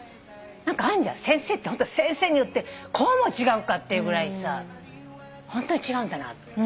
何かあんじゃん先生ってホント先生によってこうも違うかっていうぐらいさホントに違うんだなと思って。